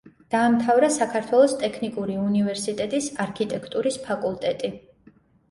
დაამთავრა საქართველოს ტექნიკური უნივერსიტეტის არქიტექტურის ფაკულტეტი.